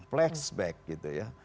flashback gitu ya